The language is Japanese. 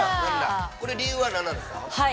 ◆理由は何なんですか。